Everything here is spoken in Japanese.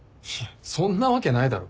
そんなわけないだろ。